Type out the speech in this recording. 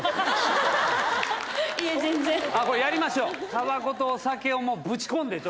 これやりましょう。